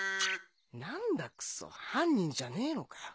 何だクソ犯人じゃねえのかよ。